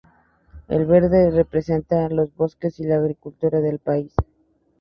El verde representa los bosques y la agricultura del país.